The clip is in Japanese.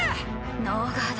ノーガード。